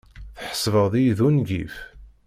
Tḥesbeḍ-iyi d ungif?